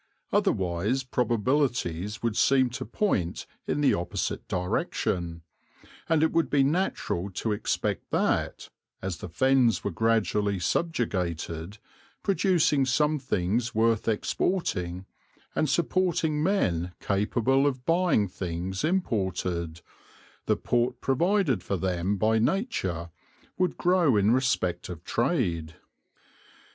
Otherwise probabilities would seem to point in the opposite direction, and it would be natural to expect that, as the Fens were gradually subjugated, producing some things worth exporting and supporting men capable of buying things imported, the port provided for them by nature would grow in respect of trade.